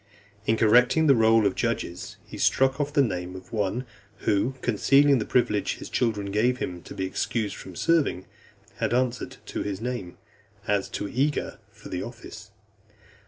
In correcting the roll of judges, he struck off the name of one who, concealing the privilege his children gave him to be excused from serving, had answered to his name, as too eager for the office.